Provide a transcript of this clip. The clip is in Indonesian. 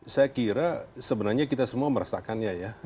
saya kira sebenarnya kita semua merasakannya ya